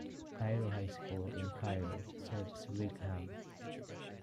Cairo High School in Cairo serves Whigham.